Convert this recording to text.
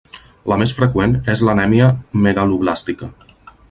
La més freqüent és l'anèmia megaloblàstica.